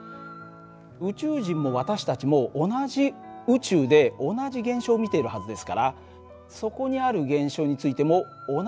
宇宙人も私たちも同じ宇宙で同じ現象を見ているはずですからそこにある現象についても同じ解釈をしてるでしょう。